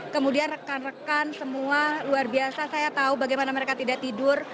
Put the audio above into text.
kemudian rekan rekan semua luar biasa saya tahu bagaimana mereka tidak tidur